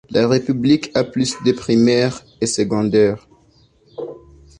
La république a plus de primaires et secondaires.